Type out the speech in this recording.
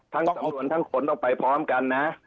ทั้งสำนวนทั้งคนต้องไปพร้อมกันนะ